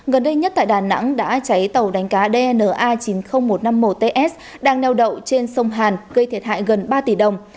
gần đây nhất tại đà nẵng đã cháy tàu đánh cá dna chín mươi nghìn một trăm năm mươi một ts đang neo đậu trên sông hàn gây thiệt hại gần ba tỷ đồng